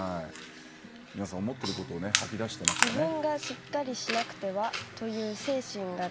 皆さん、思ってることを吐き出してましたね。